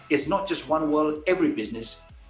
bukan hanya di seluruh dunia setiap bisnis